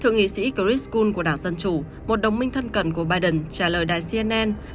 nghị sĩ chris kuhn của đảng dân chủ một đồng minh thân cận của biden trả lời đài cnn